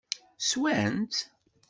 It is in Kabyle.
Swan-tt?